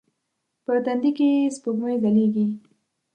په تندې کې یې سپوږمۍ ځلیږې